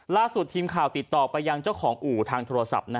ล่าสุดทีมข่าวติดต่อไปยังเจ้าของอู่ทางโทรศัพท์